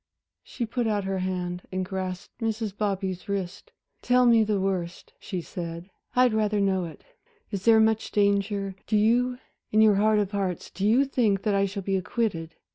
She put out her hand and grasped Mrs. Bobby's wrist. "Tell me the worst," she said. "I'd rather know it. Is there much danger, do you in your heart of hearts, do you think that I shall be acquitted?"